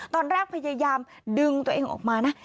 พยายามดึงตัวเองออกมานะ